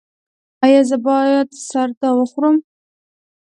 ایا زه باید سردا وخورم؟